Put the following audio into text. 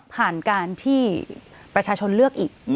ผ่านการที่ประชาชนเลือกอีก